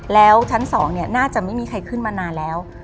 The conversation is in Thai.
แล้วชั้น๒น่าจะไม่มีใครขึ้นมานานแล้ว